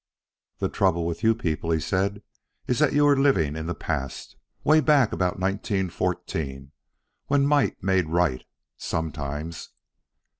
"The trouble with you people," he said, "is that you are living in the past way back about nineteen fourteen, when might made right sometimes."